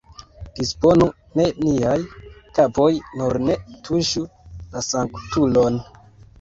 Disponu je niaj kapoj, nur ne tuŝu la sanktulon!